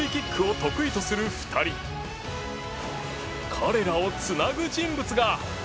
彼らを繋ぐ人物が！